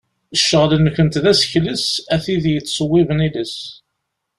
Ccɣel-nkent d asekles, a tid yettṣewwiben iles.